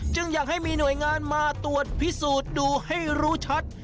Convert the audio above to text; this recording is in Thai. อยากให้มีหน่วยงานมาตรวจพิสูจน์ดูให้รู้ชัด